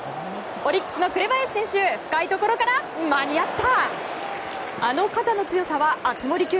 オリックスの紅林選手深いところから間に合った！